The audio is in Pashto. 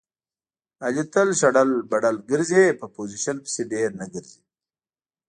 علي تل شډل بډل ګرځي. په پوزیشن پسې ډېر نه ګرځي.